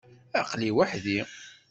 Aql-i weḥd-i.